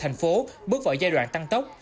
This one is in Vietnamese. thành phố bước vào giai đoạn tăng tốc